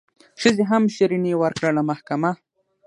ښځي هم شیریني ورکړله محکمه